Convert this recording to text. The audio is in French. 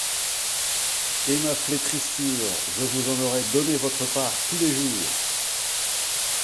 Et ma flétrissure, je vous en aurais donné votre part tous les jours!